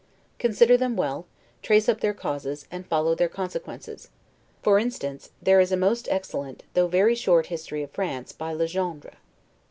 Consider them well, trace up their causes, and follow their consequences. For instance, there is a most excellent, though very short history of France, by Le Gendre.